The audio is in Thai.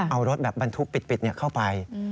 เอารถแบบบรรทุกปิดเข้าไป